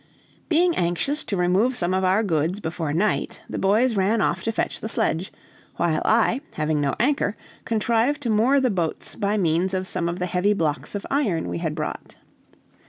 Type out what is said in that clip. Being anxious to remove some of our goods before night, the boys ran off to fetch the sledge; while I, having no anchor, contrived to moor the boats by means of some of the heavy blocks of iron we had brought.